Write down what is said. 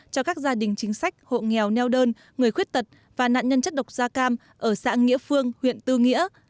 cho các gia đình chính sách hộ nghèo neo đơn người khuyết tật và nạn nhân chất độc da cam ở xã nghĩa phương huyện tư nghĩa